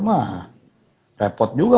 mah repot juga